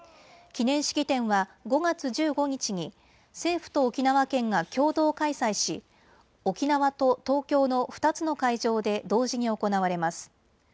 記念式典は５月１５日に政府と沖縄県が共同開催し沖縄と東京の２つの会場で同時に行われます。